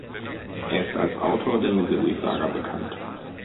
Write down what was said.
Er ist als Autor der "Misery"-Saga bekannt.